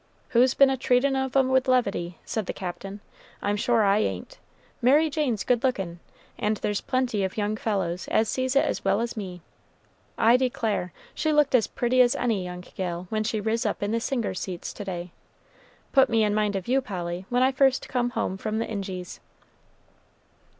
"Who's been a treatin' of 'em with levity?" said the Captain. "I'm sure I ain't. Mary Jane's good lookin', and there's plenty of young fellows as sees it as well as me. I declare, she looked as pretty as any young gal when she ris up in the singers' seats to day. Put me in mind of you, Polly, when I first come home from the Injies."